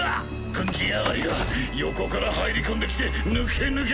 軍人上がりが横から入り込んできてぬけぬけと！